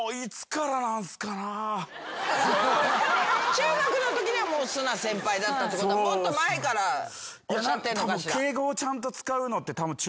中学のときにはもうすな先輩だったってことはもっと前からおっしゃってんのかしら。